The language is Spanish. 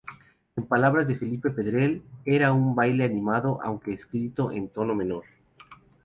En palabras de Felipe Pedrell era un baile animado aunque escrito en tono menor.